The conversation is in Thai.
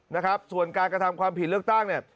นะครับส่วนการกระทำความผิดเลือกตั้งเนี่ย